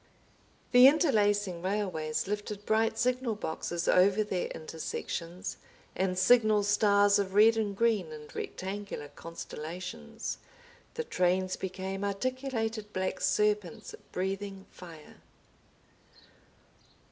The interlacing railways lifted bright signal boxes over their intersections, and signal stars of red and green in rectangular constellations. The trains became articulated black serpents breathing fire.